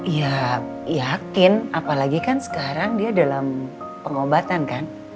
ya yakin apalagi kan sekarang dia dalam pengobatan kan